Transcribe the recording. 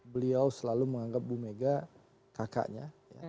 beliau selalu menganggap bu mega kakaknya